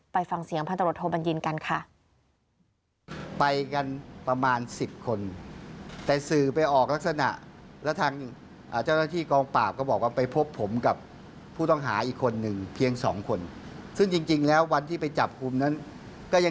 ไปฟังเสียงพันตรวจโทบัญญินกันค่ะ